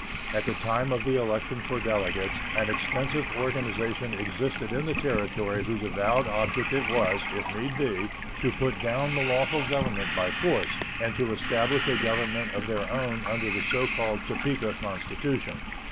At the time of the election for delegates an extensive organization existed in the Territory whose avowed object it was, if need be, to put down the lawful government by force and to establish a government of their own under the so called Topeka constitution.